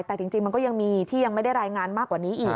แต่จริงมันก็ยังมีที่ยังไม่ได้รายงานมากกว่านี้อีก